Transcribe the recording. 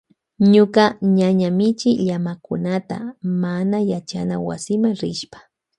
Ñuka ñaña michin llamakunata mana yachana wasima rishpa.